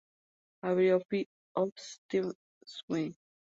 A Biography of Stefan Zweig".